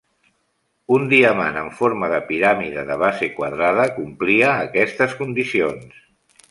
Un diamant en forma de piràmide de base quadrada complia aquestes condicions.